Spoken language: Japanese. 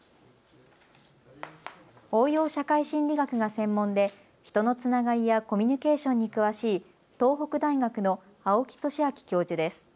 応用社会心理学が専門で人のつながりやコミュニケーションに詳しい東北大学の青木俊明教授です。